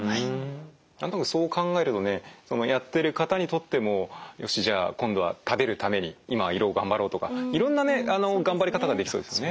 なんとなくそう考えるとねやってる方にとってもよしじゃあ今度は食べるために今は胃ろう頑張ろうとかいろんな頑張り方ができそうですよね。